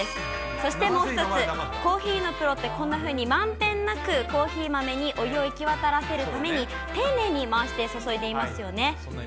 そしてもう一つ、コーヒーのプロってこんなふうにまんべんなくコーヒー豆にお湯を行き渡らせるために、丁寧に回して注いでいますよね？